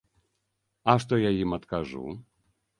А што я ім адкажу?